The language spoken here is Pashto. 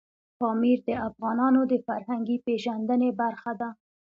پامیر د افغانانو د فرهنګي پیژندنې برخه ده.